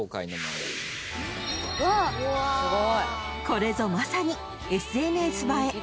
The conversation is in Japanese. ［これぞまさにＳＮＳ映え］